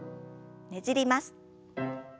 ねじります。